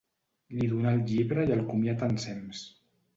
Li donà el llibre i el comiat ensems.